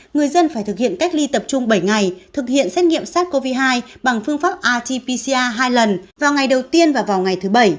người dân phải thực hiện cách ly tập trung bảy ngày thực hiện xét nghiệm sars cov hai bằng phương pháp rt pcr hai lần vào ngày đầu tiên và vào ngày thứ bảy